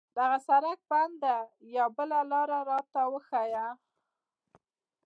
دغه سړک بند ده، یوه بله لار راته وښایه.